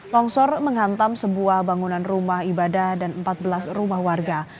longsor menghantam sebuah bangunan rumah ibadah dan empat belas rumah warga